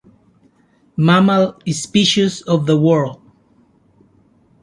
Mammal Species of the World.